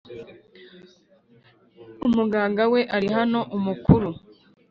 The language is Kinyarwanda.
umuganga we ari hanoumukuru